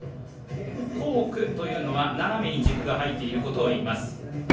コークというのは斜めに軸が入っていることをいいます。